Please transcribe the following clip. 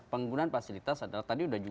penggunaan fasilitas adalah tadi sudah